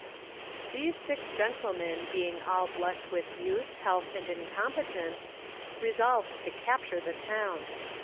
_] These six gentlemen being all blessed with youth, health and incompetence, resolved to capture the town.